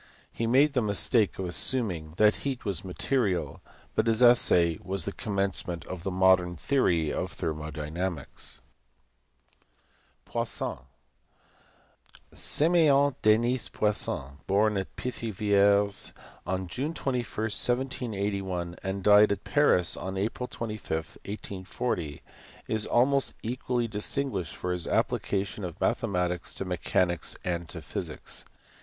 He made the mistake of assuming that heat was material, but his essay was the commencement of the modern theory of thermo dynamics. Poissont. Simeon Denis Poisson, born at Pithiviers on June 21, 1781, and died at Paris on April 25, 1840, is almost equally distinguished for his applications of mathematics to mechanics and to physics.